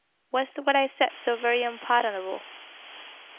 "Was what I said so very unpardonable?"